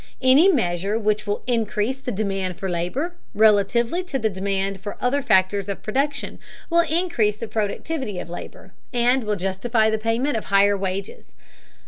Any measure which will increase the demand for labor, relatively to the demand for the other factors of production, will increase the productivity of labor, and will justify the payment of higher wages.